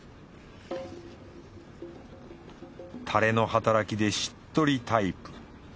たれの働きでしっとりタイプ。